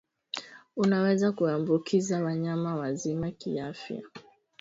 unaweza kuwaambukiza wanyama wazima kiafya wanaojisugulia kwenye miti iyo hiyo